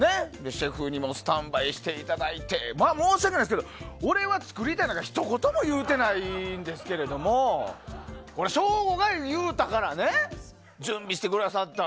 シェフにもスタンバイしていただいて申し訳ないですけど俺は作りたいなんかひと言も言うてないんですけど省吾が言うたからね準備してくださった。